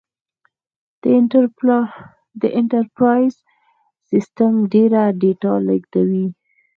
دا انټرپرایز سیسټم ډېره ډیټا لېږدوي.